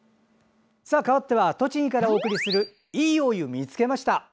かわっては栃木からお送りする「＃いいお湯見つけました」。